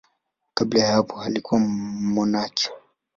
Kabla ya hapo alikuwa mmonaki.